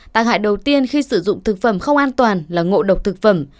tăng hại đầu tiên khi sử dụng thực phẩm không an toàn là ngộ độc thực phẩm